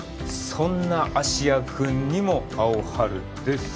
そんな芦屋君にもアオハルです